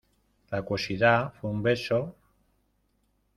la acuosidad... fue un beso ...